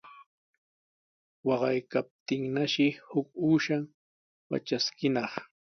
Waqaykaptinnashi huk uushan watraskinaq.